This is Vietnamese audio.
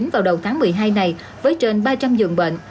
vào đầu tháng một mươi hai này với trên ba trăm linh dường bệnh